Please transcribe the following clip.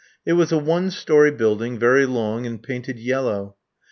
It was a one storey building, very long, and painted yellow.